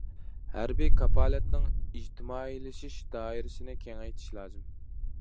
ھەربىي كاپالەتنىڭ ئىجتىمائىيلىشىش دائىرىسىنى كېڭەيتىش لازىم.